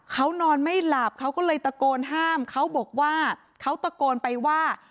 เขานอนไม่หลับเขาก็เลยตะโกนห้ามเขาบอกว่าเขาตะโกนไปว่า